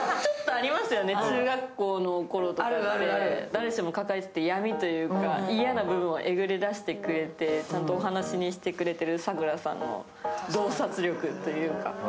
誰しも抱えてる闇というか嫌な部分をえぐり出してくれて楽しみにしてくれるさくらさんの洞察力というか。